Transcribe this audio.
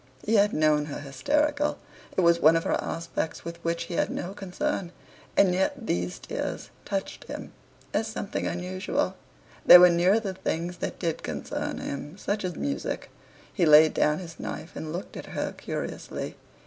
He had known her hysterical it was one of her aspects with which he had no concern and yet these tears touched him as something unusual. They were nearer the things that did concern him, such as music. He laid down his knife and looked at her curiously.